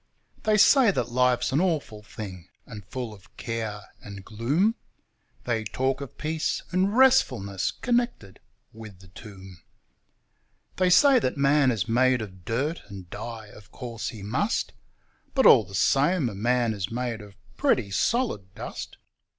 They say that life's an awful thing, and full of care and gloom, They talk of peace and restfulness connected with the tomb. They say that man is made of dirt, and die, of course, he must; But, all the same, a man is made of pretty solid dust.